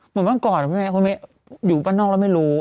เหมือนเมื่อก่อนแม่คนนี้อยู่บ้านนอกแล้วไม่รู้